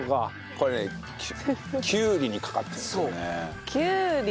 これきゅうりにかかってるんですよね。